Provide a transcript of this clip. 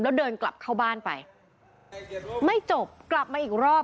แล้วเดินกลับเข้าบ้านไปไม่จบกลับมาอีกรอบ